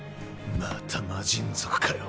また魔神族かよ。